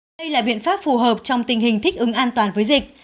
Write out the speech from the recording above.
đây là biện pháp phù hợp trong tình hình thích ứng an toàn với dịch